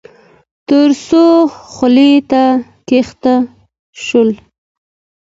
تر څو خولې ته کښته شول.